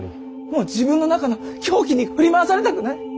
もう自分の中の狂気に振り回されたくない。